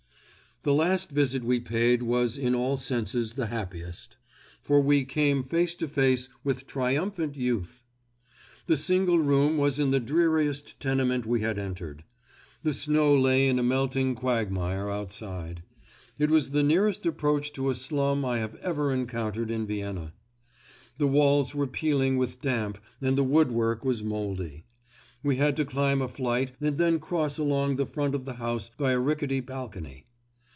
The last visit we paid was in all senses the happiest, for we, came face to face with triumphant youth. The single room was in the dreariest tenement we had entered. The snow lay in a melting quagmire outside. It was the nearest approach to a slum I have encountered in Vienna. The walls were peeling with damp and the woodwork was mouldy. We had to climb a flight and then cross along the front of the house by a rickety balcony.